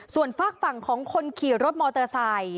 ส่วนฝากฝั่งของคนขี่รถมอเตอร์ไซค์